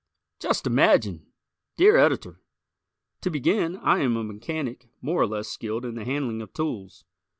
Just Imagine! Dear Editor: To begin, I am a mechanic more or less skilled in the handling of tools.